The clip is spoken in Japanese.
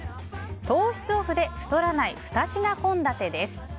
糖質オフで太らない２品献立です。